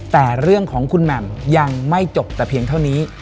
แต่เรื่องของคุณแหม่มยังไม่จบแต่เพียงเท่านี้